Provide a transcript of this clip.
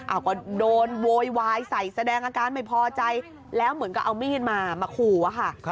เอาก็โดนโวยวายใส่แสดงอาการไม่พอใจแล้วเหมือนกับเอามีดมามาขู่อะค่ะ